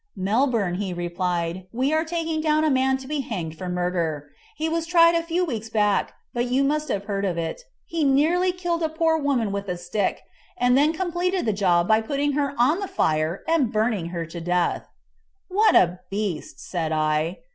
"Melbourne," he replied; "we are taking down a man to be hanged for murder. He was tried a few weeks back; but you must have heard of it. He nearly killed a poor woman with a stick, and then completed the job by putting her on the fire and burning her to death." "What a beast," said I.